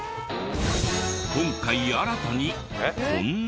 今回新たにこんな投稿を。